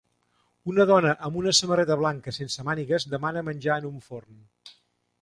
Una dona amb una samarreta blanca sense mànigues demana menjar en un forn.